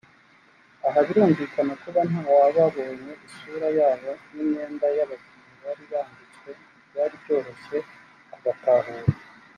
Aha birumvikana kuba ntawababonye isura yabo n’imyenda y’abakinnyi bari bambitswe nti byari byoroshye kubatahura